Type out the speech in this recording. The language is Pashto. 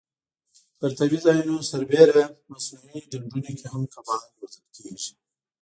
پر طبیعي ځایونو سربېره مصنوعي ډنډونو کې هم کبان روزل کېږي.